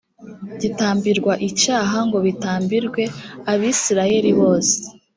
gitambirwa icyaha ngo bitambirwe abisirayeli bose